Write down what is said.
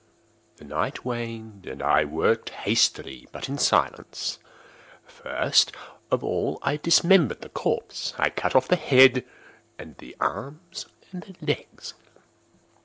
The night waned, and I worked hastily, but in silence. First of all I dismembered the corpse. I cut off the head and the arms and the legs.